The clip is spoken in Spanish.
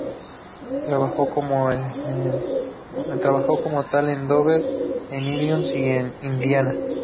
Trabajó como tal en Dover, en Illinois y en Indiana.